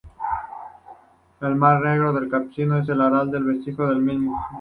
El mar Negro, el Caspio y el Aral son vestigios del mismo.